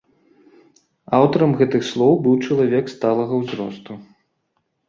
Аўтарам гэтых слоў быў чалавек сталага ўзросту.